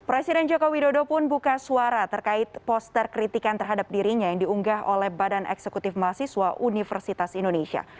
presiden joko widodo pun buka suara terkait poster kritikan terhadap dirinya yang diunggah oleh badan eksekutif mahasiswa universitas indonesia